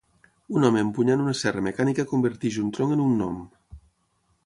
Un home empunyant una serra mecànica converteix un tronc en un gnom.